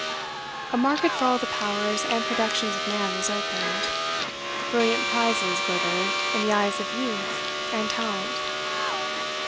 A market for all the powers and productions of man was opened: brilliant prizes glittered in the eyes of youth and talent.